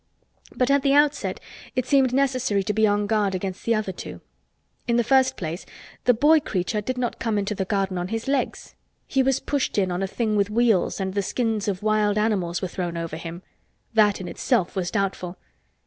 But at the outset it seemed necessary to be on guard against the other two. In the first place the boy creature did not come into the garden on his legs. He was pushed in on a thing with wheels and the skins of wild animals were thrown over him. That in itself was doubtful.